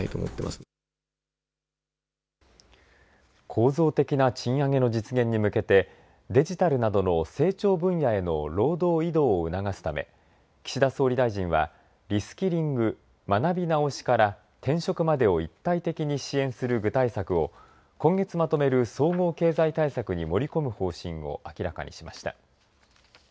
構造的な賃上げの実現に向けてデジタルなどの成長分野への労働移動を促すため岸田総理大臣はリスキリング、学び直しから転職までを一体的に支援する具体策を今月まとめる総合経済対策に盛り込む方針を明らかにしました。